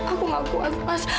aku gak kuat mas